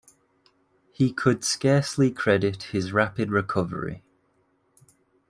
He could scarcely credit his rapid recovery.